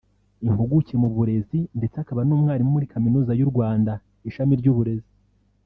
impuguke mu burezi ndetse akaba n’umwarimu muri Kaminuza yu Rwanda Ishami ry’Uburezi